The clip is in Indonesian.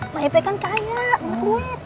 mbak hepe kan kaya enggak duit